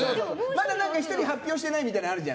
まだ一人発表してないみたいのあるじゃん。